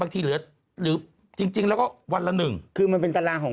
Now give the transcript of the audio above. ถูกต้อง